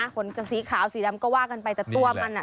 ขนจะสีขาวสีดำก็ว่ากันไปแต่ตัวมันอ่ะ